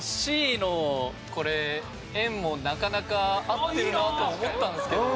Ｃのこれ「円」もなかなか合ってるなと思ったんですけど。